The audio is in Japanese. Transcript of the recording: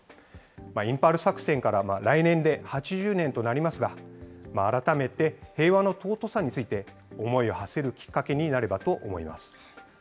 インパール作戦から来年で８０年となりますが、改めて平和の尊さについて、思いをはせるきっかけになればと思います。